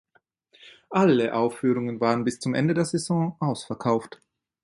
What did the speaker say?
Alle Aufführungen waren bis zum Ende der Saison ausverkauft.